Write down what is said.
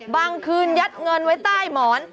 คืนยัดเงินไว้ใต้หมอน